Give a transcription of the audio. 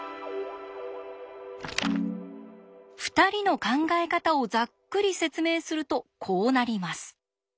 ２人の考え方をざっくり説明するとこうなります。